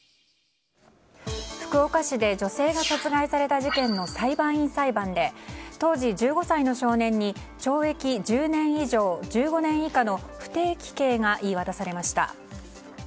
福岡市で女性が殺害された事件の裁判員裁判で当時１５歳の少年に懲役１０年以上１５年以下の不定期刑が言い渡されました。